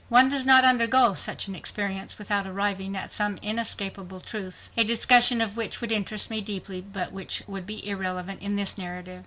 One does not undergo such an experience without arriving at some inescapable truths, a discussion of which would interest me deeply but which would be irrelevant in this narrative.